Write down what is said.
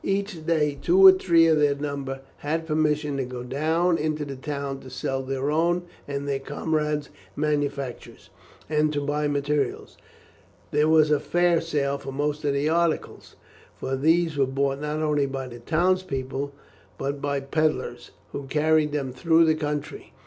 Each day, two or three of their number had permission to go down into the town to sell their own and their comrades' manufactures, and to buy materials. There was a fair sale for most of the articles, for these were bought not only by the townspeople, but by pedlars, who carried them through the country.